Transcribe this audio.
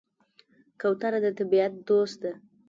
کوتره د طبیعت دوست ده.